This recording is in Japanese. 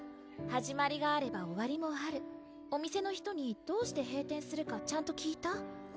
始まりがあれば終わりもあるお店の人にどうして閉店するかちゃんと聞いた？